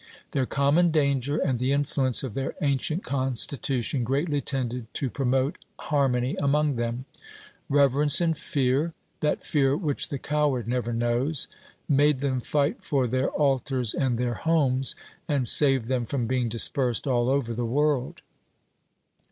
Their common danger, and the influence of their ancient constitution, greatly tended to promote harmony among them. Reverence and fear that fear which the coward never knows made them fight for their altars and their homes, and saved them from being dispersed all over the world.